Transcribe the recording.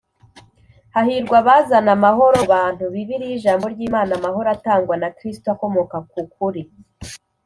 “hahirwa abazana amahoro mu bantu”[bibiliya ijambo ry’imana amahoro atangwa na kristo akomoka ku kuri